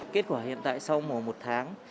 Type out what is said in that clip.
kết quả hiện tại sau một tháng